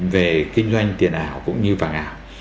về kinh doanh tiền ảo cũng như vàng ảo